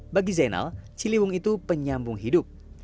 bagi zainal ciliwung itu penyambung hidup